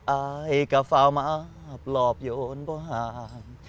อายก็เฝ้ามาปลอบโยนบ่าง